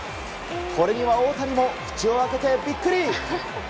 これには大谷も口を開けてビックリ！